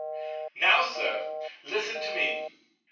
—Now, Sir; listen to me.